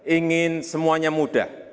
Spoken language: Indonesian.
ingin semuanya mudah